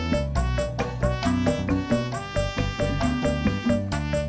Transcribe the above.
kita emang mau kemana sih nyak